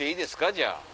じゃあ。